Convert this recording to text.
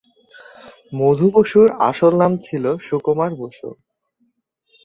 মধু বসুর আসল নাম ছিল সুকুমার বসু।